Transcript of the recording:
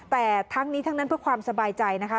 แต่ทั้งนี้ทั้งนั้นเพื่อความสบายใจนะคะ